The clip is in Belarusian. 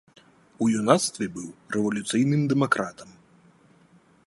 У юнацтве быў рэвалюцыйным дэмакратам.